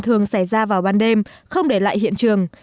thường xảy ra vào ban đêm không để lại hiện trường